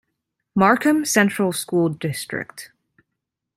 Markham Central School District.